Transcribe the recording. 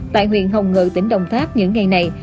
tại huyện hồng ngự tỉnh đồng tháp những ngày này